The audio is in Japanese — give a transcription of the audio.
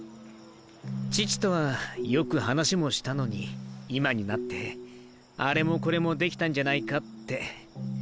父とはよく話もしたのに今になってあれもこれもできたんじゃないかって。